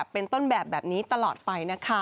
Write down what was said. เป็นต้นแบบแบบนี้ตลอดไปนะคะ